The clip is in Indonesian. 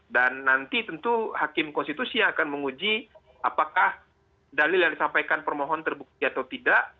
dan nanti tentu hakim konstitusi yang akan menguji apakah dalil yang disampaikan permohon terbukti atau tidak